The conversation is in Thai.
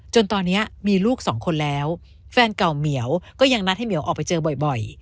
จนตอนนี้มีลูกสองคนแล้วแฟนเก่าเหมียวก็ยังนัดให้เหมียวออกไปเจอบ่อย